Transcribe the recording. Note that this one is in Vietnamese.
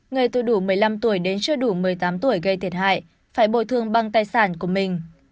người từ đủ một mươi năm tuổi đến chưa đủ một mươi tám tuổi gây thiệt hại phải bồi thường bằng tài sản của mình